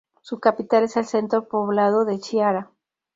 Su capital es el centro poblado de Chiara.